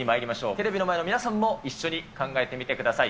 テレビの前の皆さんも一緒に考えてみてください。